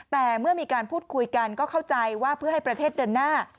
แต่เมื่อมีการพูดคุยกันก็เข้าใจว่าเพื่อให้ประเทศเดินหน้า